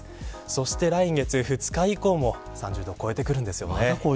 そして来月２日以降も３０度を超えてくるんです。